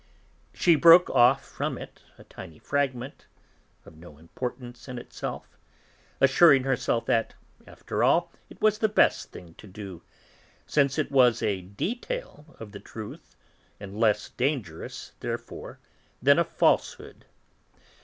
She broke off from it a tiny fragment, of no importance in itself, assuring herself that, after all, it was the best thing to do, since it was a detail of the truth, and less dangerous, therefore, than a falsehood.